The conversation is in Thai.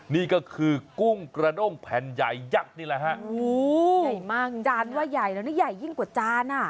นี่ก็คือกุ้งกระด้งแผ่นใหญ่ยักษ์นี่แหละฮะโอ้โหใหญ่มากจานว่าใหญ่แล้วนี่ใหญ่ยิ่งกว่าจานอ่ะ